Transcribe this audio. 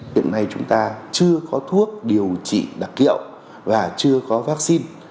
hiện nay chúng ta chưa có thuốc điều trị đặc hiệu và chưa có vaccine